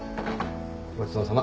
ごちそうさま。